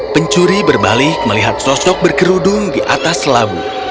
pencuri berbalik melihat sosok berkerudung di atas labu